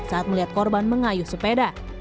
saat melihat korban mengayuh sepeda